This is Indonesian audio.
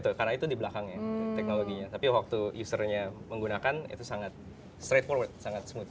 karena itu di belakangnya teknologinya tapi waktu usernya menggunakan itu sangat straight forward sangat smoot